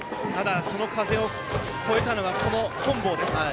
その風を越えたのは本坊です。